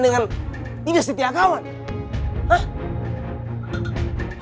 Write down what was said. dengan tidak setia kawan hah